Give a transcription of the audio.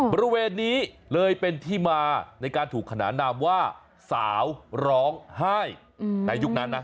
บริเวณนี้เลยเป็นที่มาในการถูกขนานนามว่าสาวร้องไห้ในยุคนั้นนะ